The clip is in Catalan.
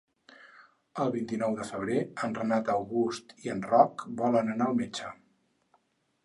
El vint-i-nou de febrer en Renat August i en Roc volen anar al metge.